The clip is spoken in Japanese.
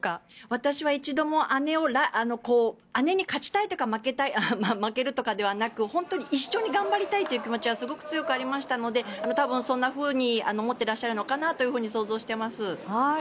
私は１度も姉に勝ちたいとか負けるとかではなく本当に一緒に頑張りたいという気持ちはすごくありましたので多分そんなふうに思ってらっしゃるのかなと想像してます。